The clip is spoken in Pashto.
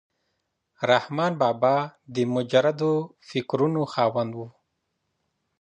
رحمان بابا د مجردو فکرونو خاوند و.